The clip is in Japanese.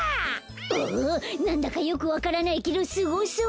おおなんだかよくわからないけどスゴそう！